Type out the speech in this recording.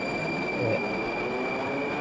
그래.